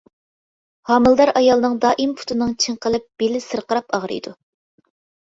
ھامىلىدار ئايالنىڭ دائىم پۇتىنىڭ چىڭقىلىپ، بېلى سىرقىراپ ئاغرىيدۇ.